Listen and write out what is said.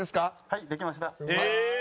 はいできました。